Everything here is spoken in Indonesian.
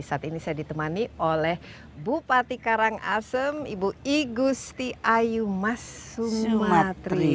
saat ini saya ditemani oleh bupati karangasem ibu igusti ayu mas sumatri